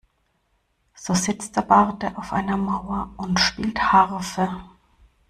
So sitzt der Barde auf einer Mauer und spielt Harfe.